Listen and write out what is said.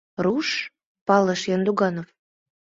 «Руш», — палыш Яндуганов.